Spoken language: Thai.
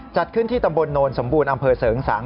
จัดขึ้นที่ตำบลโนนสมบูรณ์อำเภอเสริงสัง